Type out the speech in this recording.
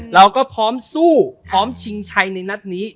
เราก็พร้อมสู้พร้อมชิงชัยในนัดนี้